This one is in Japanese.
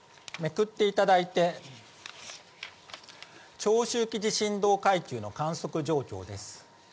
めくっていただいて、長周期地震動階級の観測状況です。